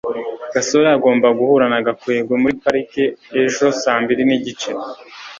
gasore agomba guhura na gakwego muri parike ejo saa mbiri nigice